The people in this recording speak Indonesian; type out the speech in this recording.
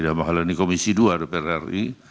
dan menghalangi komisi dua dpr ri